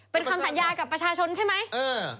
เป็นคำสัญญากับประชาชนใช่ไหม